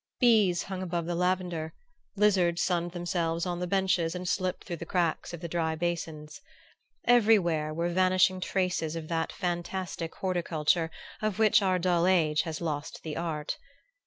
Bees hung above the lavender; lizards sunned themselves on the benches and slipped through the cracks of the dry basins. Everywhere were vanishing traces of that fantastic horticulture of which our dull age has lost the art.